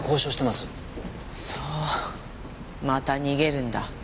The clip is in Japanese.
また逃げるんだ。